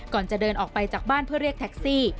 ก่อนจะเดินออกไปจากบ้านเพื่อเรียกแท็กซี่